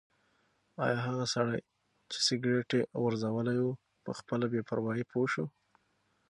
ایا هغه سړی چې سګرټ یې غورځولی و په خپله بې پروايي پوه شو؟